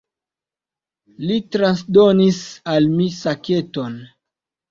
Li transdonis al mi saketon.